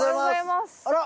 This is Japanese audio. あら！